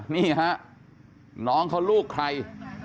นี่ฮะน้องเขาลูกใคร